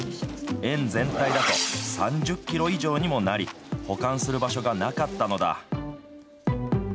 園全体だと、３０キロ以上にもなり、保管する場所がなかったのだ。